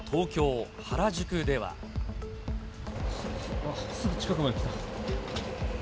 うわ、すぐ近くまで来た。